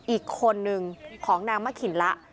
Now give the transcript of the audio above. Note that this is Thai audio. อีกคนนึงของนางมะขินละ